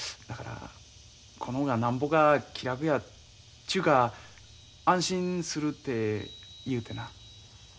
だからここの方がなんぼか気楽やっちゅうか安心するて言うてな。